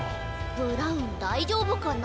ブラウンだいじょうぶかな。